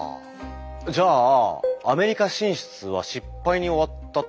じゃあアメリカ進出は失敗に終わったっていうこと？